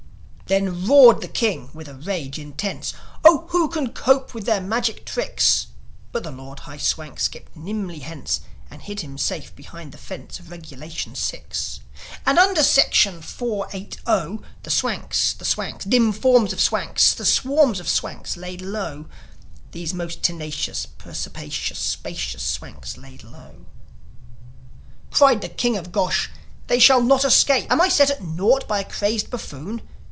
Then roared the King with a rage intense, "Oh, who can cope with their magic tricks?" But the Lord High Swank skipped nimbly hence, And hid him safe behind the fence Of Regulation VI. And under Section Four Eight 0 The Swanks, the Swanks, dim forms of Swanks, The swarms of Swanks lay low These most tenacious, perspicacious, Spacious Swanks lay low. Cried the King of Gosh, "They shall not escape! Am I set at naught by a crazed buffoon?"